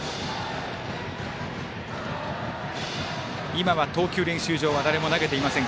今は投球練習場は誰も投げていません。